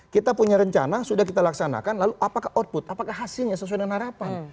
kita punya rencana sudah kita laksanakan lalu apakah output apakah hasilnya sesuai dengan harapan